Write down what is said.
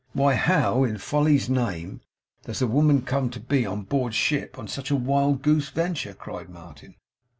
'Why, how, in Folly's name, does the woman come to be on board ship on such a wild goose venture!' cried Martin.